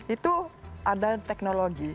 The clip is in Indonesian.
itu ada teknologi